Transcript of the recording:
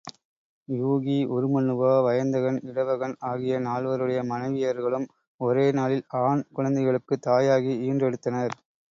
யூகி, உருமண்ணுவா, வயந்தகன், இடவகன் ஆகிய நால்வருடைய மனைவியர்களும் ஒரே நாளில் ஆண் குழந்தைகளுக்குத் தாயாகி ஈன்றெடுத்தனர்.